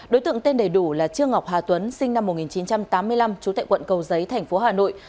đối tượng tên đầy đủ là trương ngọc hà tuấn sinh năm một nghìn chín trăm tám mươi năm trú tại quận cầu giấy thành phố hà nội